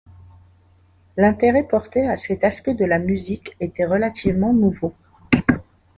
L'intérêt porté à cet aspect de la musique était relativement nouveau.